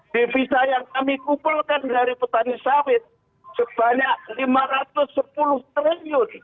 devisa yang kami kumpulkan dari petani sawit sebanyak lima ratus sepuluh triliun